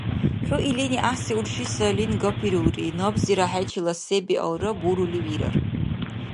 ХӀу илини гӀяхӀси урши сайлин гапирулри, набзира хӀечила се-биалра бурули вирар.